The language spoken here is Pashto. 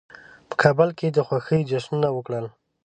په کابل کې د خوښۍ جشنونه وکړل.